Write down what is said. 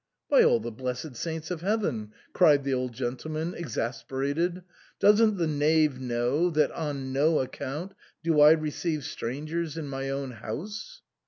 " By all the blessed saints of Heaven !" cried the old gentleman, exasperated ;" doesn't the knave know that on no account do I receive strangers in my own house